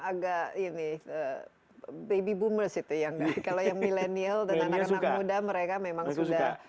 agak ini baby boomers itu yang kalau yang milenial dan anak anak muda mereka memang sudah